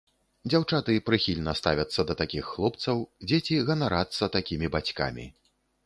Дзяўчаты прыхільна ставяцца да такіх хлопцаў, дзеці ганарацца такімі бацькамі.